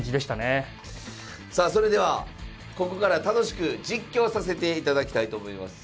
さあそれではここから楽しく実況させていただきたいと思います。